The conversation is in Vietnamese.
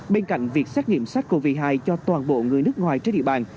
bên cạnh việc xét nghiệm sars cov hai cho toàn bộ người nước ngoài trên địa bàn